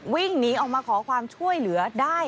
วิ่งหนีออกมาขอความช่วยเหลือได้